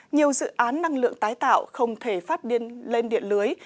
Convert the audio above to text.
nhiều dự án năng lượng tái tạo không thể phát điên lên điện lưới